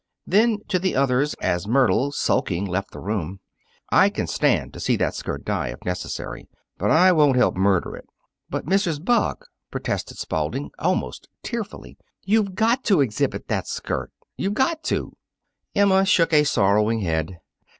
Then, to the others, as Myrtle, sulking, left the room: "I can stand to see that skirt die if necessary. But I won't help murder it." "But, Mrs. Buck," protested Spalding, almost tearfully, "you've got to exhibit that skirt. You've got to!" Emma shook a sorrowing head.